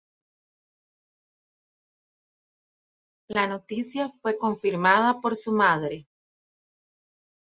La noticia fue confirmada por su madre.